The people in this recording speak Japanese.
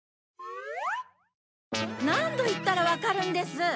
何度言ったらわかるんです！